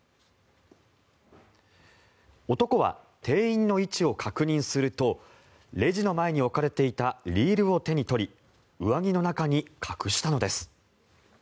男は店員の位置を確認するとレジの前に置かれていたリールを手に取り上着の中に隠したのです。